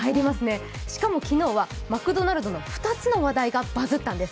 しかも昨日はマクドナルドの２つの話題がバズったんです。